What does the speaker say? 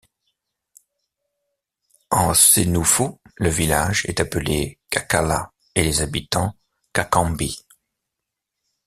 En sénoufo le village est appelé Kakala et les habitants Kakambi.